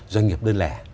doanh nghiệp đơn lẻ